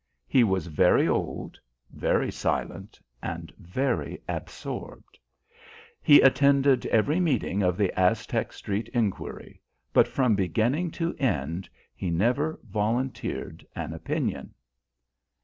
He was very old, very silent, and very absorbed. He attended every meeting of the Aztec Street inquiry, but from beginning to end he never volunteered an opinion.